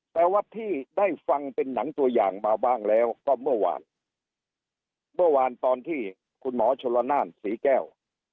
แต่ว่าที่ได้ฟังเป็นหนังตัวอย่างมาบ้างแล้วก็เมื่อวานเมื่อวานตอนที่คุณหมอชนละนานศรีแก้ว